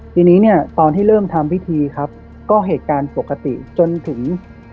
ทีนี้เนี่ยตอนที่เริ่มทำพิธีครับก็เหตุการณ์ปกติจนถึง